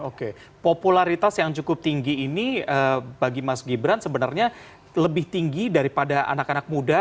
oke popularitas yang cukup tinggi ini bagi mas gibran sebenarnya lebih tinggi daripada anak anak muda